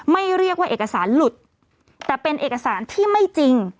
เรียกว่าเอกสารหลุดแต่เป็นเอกสารที่ไม่จริง